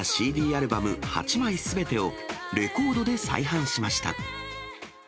アルバム８枚すべてを、レコードで再販しました。